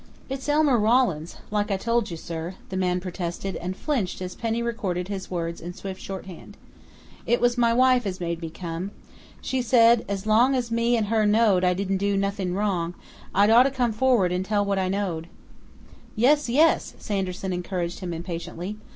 "It's Elmer Rawlins, like I told you, sir," the man protested, and flinched as Penny recorded his words in swift shorthand. "It was my wife as made me come. She said as long as me and her knowed I didn't do nothing wrong, I'd oughta come forward and tell what I knowed." "Yes, yes!" Sanderson encouraged him impatiently.